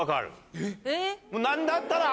何だったら。